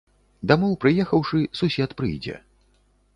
Дамоў прыехаўшы, сусед прыйдзе.